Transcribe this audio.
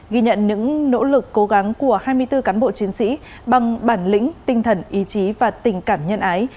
ghi nhận những nỗ lực cố gắng của hai mươi bốn cán bộ chiến sĩ bằng bản lĩnh tinh thần ý chí và tình cảm nhân ái